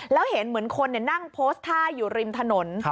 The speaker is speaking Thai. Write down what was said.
แล้วเห็นเหมือนคนนั่งโพสต์ท่าอยู่ริมถนน